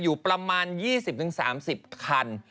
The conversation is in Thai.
อยู่ประมาณ๒๐๓๐คัน